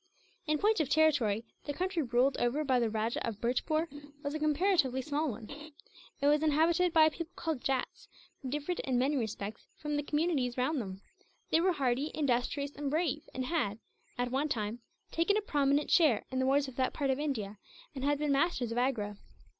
In point of territory, the country ruled over by the Rajah of Bhurtpoor was a comparatively small one. It was inhabited by a people called Jats, who differed in many respects from the communities round them. They were hardy, industrious, and brave; and had, at one time, taken a prominent share in the wars of that part of India, and had been masters of Agra.